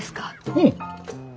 うん。